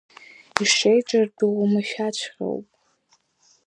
Ишеиҿартәоу уамашәаҵәҟьоуп.